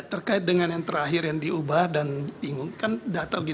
terkait dengan yang terakhir yang diubah dan bingung kan